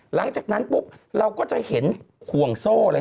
หลังจากนั้นปุ๊บเราก็จะเห็นห่วงโซ่เลย